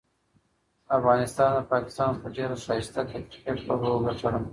افغانستان ده پاکستان څخه ډيره ښايسته د کرکټ لوبه وګټله.